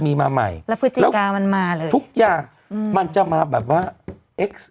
มีมาใหม่แล้วพฤศจิกามันมาเลยทุกอย่างมันจะมาแบบว่าเอ็กซ์